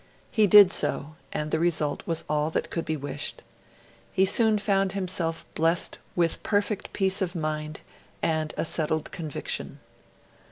He did so, and the result was all that could be wished. He soon found himself blessed with perfect peace of mind, and a settled conviction.